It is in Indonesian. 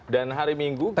dan hari minggu kita